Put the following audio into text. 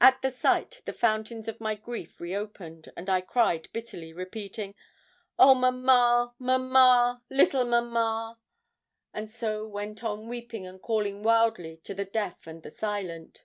At the sight the fountains of my grief reopened, and I cried bitterly, repeating, 'Oh! mamma, mamma, little mamma!' and so went on weeping and calling wildly on the deaf and the silent.